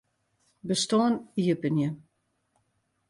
Bestân iepenje.